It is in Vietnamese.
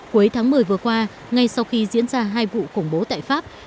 cuối tháng một mươi vừa qua ngay sau khi diễn ra hai vụ khủng bố tại pháp